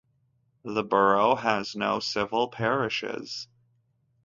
The borough has no civil parishes.